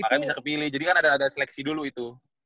makanya bisa kepilih jadi kan ada seleksi dulu itu